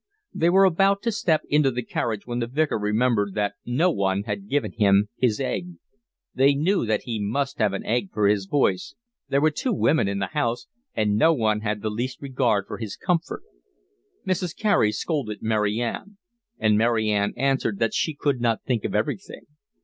They were about to step into the carriage when the Vicar remembered that no one had given him his egg. They knew that he must have an egg for his voice, there were two women in the house, and no one had the least regard for his comfort. Mrs. Carey scolded Mary Ann, and Mary Ann answered that she could not think of everything.